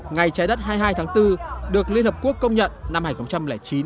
ngày trái đất hai mươi hai tháng bốn được liên hợp quốc công nhận năm hai nghìn chín